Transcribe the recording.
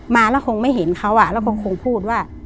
มาแล้วคงไม่เห็นเขาแล้วก็คงพูดว่า